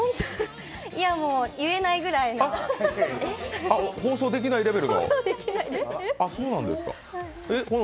いやもう、言えないぐらいの放送できないレベルの？